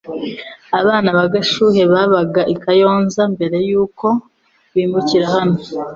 Abana ba Gashuhe babaga i Kayonza mbere yuko bimukira hano